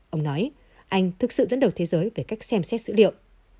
ông nói anh thực sự dẫn đầu thế giới về cách xem xét dữ liệu